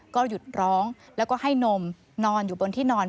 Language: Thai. ก็หยุดร้องแล้วก็ให้นมนอนอยู่บนที่นอน